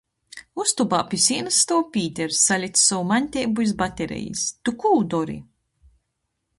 Ustobā pi sīnys stuov Pīters, salics sovu maņteibu iz batarejis... Tu kū dori?